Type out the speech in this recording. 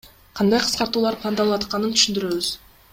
Кандай кыскартуулар пландалып атканын түшүндүрөбүз.